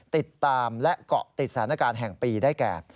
ติดตามและเกาะติดสถานการณ์แห่งปีได้แก่